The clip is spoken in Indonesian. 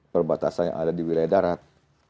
perbatasan yang ada di wilayah darat